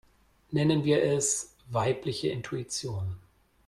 Nennen wir es weibliche Intuition.